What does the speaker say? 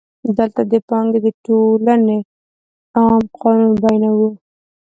دلته د پانګې د ټولونې عام قانون بیانوو